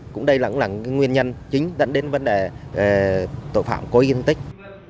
cũng đây cũng là nguyên nhân chính dẫn đến vấn đề tội phạm cố ý gây thương tích